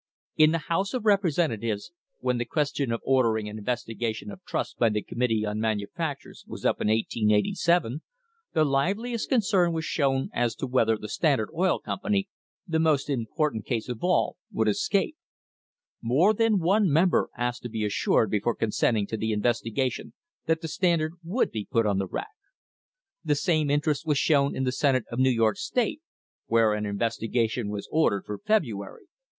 In the House of Representatives, when the question of THE HISTORY OF THE STANDARD OIL COMPANY ordering an investigation of trusts by the Committee on Manu factures was up in 1887, the liveliest concern was shown as to whether the Standard Oil Company, "the most important case" of all, would escape. More than one member asked to be assured before consenting to the investigation that the Standard would be put on the rack. The same interest was shown in the Senate of New York State, where an investiga tion was ordered for February, 1888.